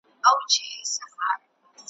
هري خواته وه آسونه ځغلېدله ,